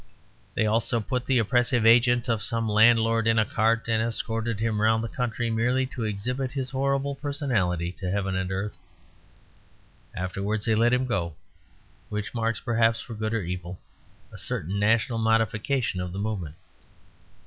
They also put the oppressive agent of some landlord in a cart and escorted him round the county, merely to exhibit his horrible personality to heaven and earth. Afterwards they let him go, which marks perhaps, for good or evil, a certain national modification of the movement.